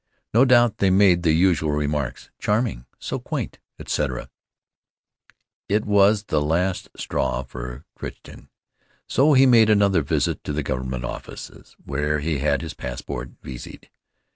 No doubt they made the usual remarks: "Charming! So quaint!" etc. It was the last straw for Crichton. So he made another visit to the government offices where he had his passport viseed.